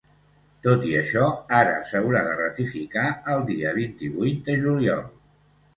Tot i això, ara s’haurà de ratificar el dia vint-i-vuit de juliol.